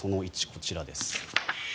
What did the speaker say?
こちらです。